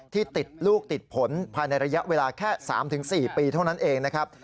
ที่ติดลูกติดผลภายในระยะเวลาแค่๓๔ปีเท่านั้นเองนะครับ